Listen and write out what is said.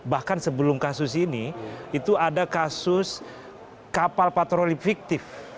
bahkan sebelum kasus ini itu ada kasus kapal patroli fiktif